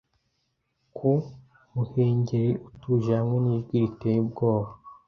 Ku muhengeri utuje hamwe n'ijwi riteye ubwoba